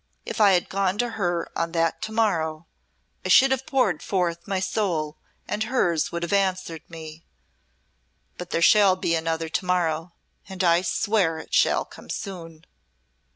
If I had gone to her on that 'to morrow,' I should have poured forth my soul and hers would have answered me. But there shall be another to morrow, and I swear it shall come soon."